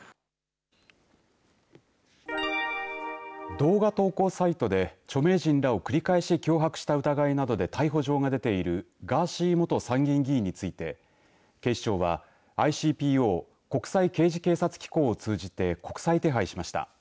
動画投稿サイトで著名人らを繰り返し脅迫した疑いなどで逮捕状が出ているガーシー元参議院議員について警視庁はＩＣＰＯ国際刑事警察機構を通じて国際手配しました。